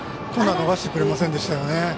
今度は逃してくれませんでしたね。